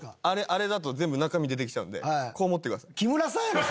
あれだと全部中身出てきちゃうんでこう持ってください。